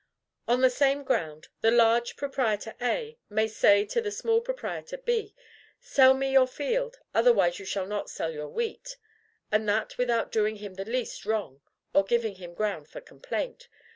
On the same ground, the large proprietor A may say to the small proprietor B: "Sell me your field, otherwise you shall not sell your wheat," and that without doing him the least wrong, or giving him ground for complaint.